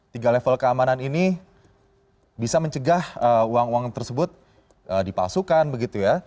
tiga level keamanan ini bisa mencegah uang uang tersebut dipalsukan begitu ya